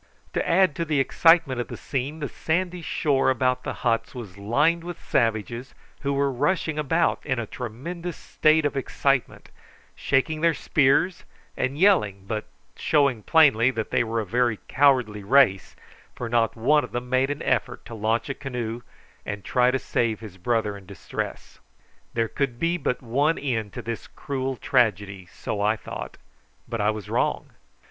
To add to the excitement of the scene the sandy shore about the huts was lined with savages, who were rushing about in a tremendous state of excitement, shaking their spears and yelling, but showing plainly that they were a very cowardly race, for not one of them made an effort to launch a canoe and try to save his brother in distress. There could be but one end to this cruel tragedy, so I thought; but I was wrong.